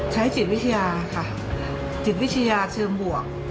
ใช้จิตวิทยาค่ะจิตวิทยาเชิงบวก